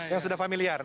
yang sudah familiar